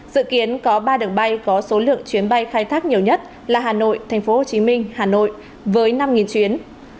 dự kiến có ba đường bay có số lượng chuyến bay khai thác nhiều nhất là hà nội tp hcm hà nội với năm chuyến